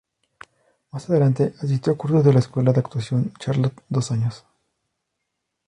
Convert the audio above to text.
Más adelante asistió a cursos en la Escuela de actuación Charlot dos años.